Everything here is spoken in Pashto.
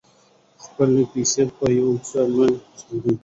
خپلې پیسې په یو ځای مه ږدئ.